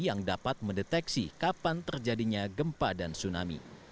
yang dapat mendeteksi kapan terjadinya gempa dan tsunami